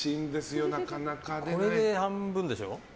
これで半分でしょ。